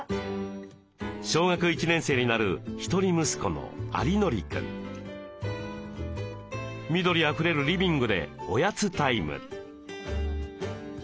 小学１年生になる一人息子の緑あふれるリビングでおやつタイム。